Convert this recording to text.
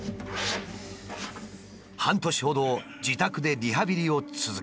半年ほど自宅でリハビリを続けた。